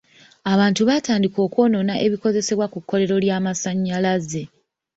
Abantu baatandika okwonoona ebikozesebwa ku kkolero ly'amasanyalaze.